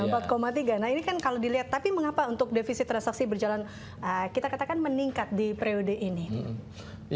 nah ini kan kalau dilihat tapi mengapa untuk defisit transaksi berjalan kita katakan meningkat di periode ini